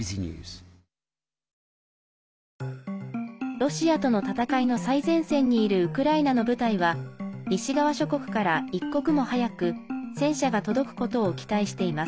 ロシアとの戦いの最前線にいるウクライナの部隊は西側諸国から一刻も早く戦車が届くことを期待しています。